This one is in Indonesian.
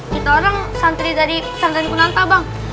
kita orang santri dari santan kunanta bang